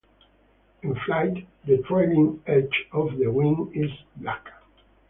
In flight, the trailing edge of the wings is black.